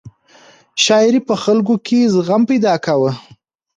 شاعرۍ په خلکو کې زغم پیدا کاوه.